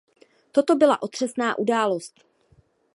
Toto byla otřesná událost.